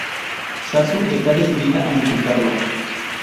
Suzu está decidida a intentarlo.